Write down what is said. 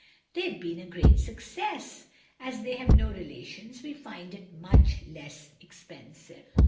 They've been a great success, and as they have no relations we find it much less expensive."